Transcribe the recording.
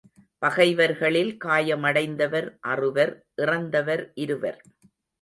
பகைவர்களில் காயமடைந்தவர் அறுவர் இறந்தவர் இருவர்.